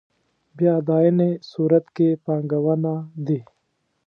بیا اداينې صورت کې پانګونه دي.